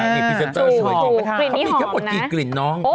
นี่พิเศษเตอร์ช่วยกินไหมคะเขามีแค่บทกลิ่นน้อง